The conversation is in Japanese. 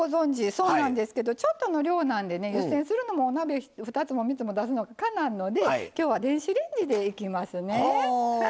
そうなんですけどちょっとの量なんでね湯せんするのもお鍋２つも３つも出すのかなわんのできょうは電子レンジでいきますね。